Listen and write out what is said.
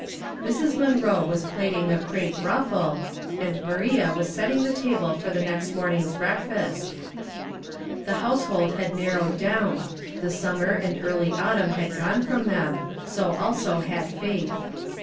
Mrs. Munroe was plaiting a crepe ruttie, and Maria was setting the table for the next morn 884 Household Puzzlts, ing's breakfast. The household had narrowed down, the summer and early autumn had gone from them, so also had Faith.